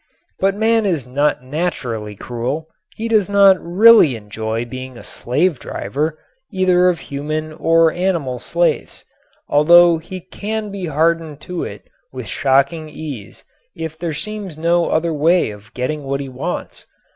But man is not naturally cruel. He does not really enjoy being a slave driver, either of human or animal slaves, although he can be hardened to it with shocking ease if there seems no other way of getting what he wants.